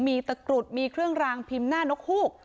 มีตะกรุดมีเครื่องรางพิมพ์หน้านกฮูก